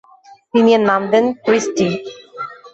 তিনি এর নাম দেন "ক্রিস্টি"।